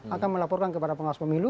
akan melaporkan kepada pengawas pemilu